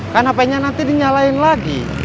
kan hp nya nanti dinyalain lagi